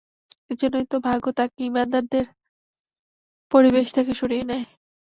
এজন্যই তো ভাগ্য তাকে ঈমানদারদের পরিবেশ থেকে সরিয়ে নেয়।